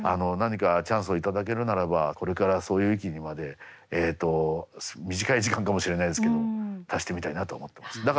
何かチャンスを頂けるならばこれからそういう域にまで短い時間かもしれないですけど達してみたいなと思ってます。